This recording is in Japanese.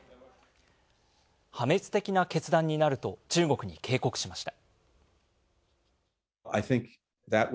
「破滅的な決断」になると中国に警告しました。